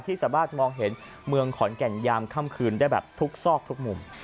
สามารถมองเห็นเมืองขอนแก่นยามค่ำคืนได้แบบทุกซอกทุกมุม